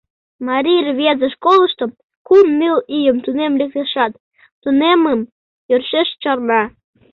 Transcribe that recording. Марий рвезе школышто кум-ныл ийым тунем лектешат, тунеммым йӧршеш чарна.